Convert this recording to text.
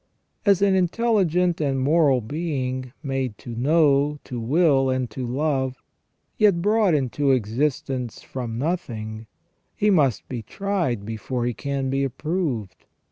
As an intelligent and moral being, made to know, to will, and to love, yet brought into existence from nothing, he must be tried before he can be approved.